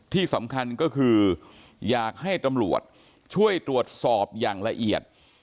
ที่สำคัญก็คืออยากให้ตำรวจช่วยตรวจสอบอย่างละเอียด